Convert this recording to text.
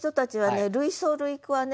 類想類句はね